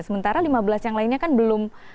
sementara lima belas yang lainnya kan belum